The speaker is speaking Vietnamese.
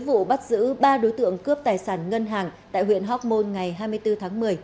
với vụ bắt giữ ba đối tượng cướp tài sản ngân hàng tại huyện hoc mon ngày hai mươi bốn tháng một mươi